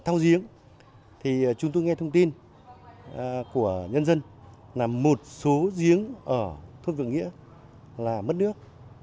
thao giếng thì chúng tôi nghe thông tin của nhân dân là một số giếng ở thuốc vườn nghĩa là mất nước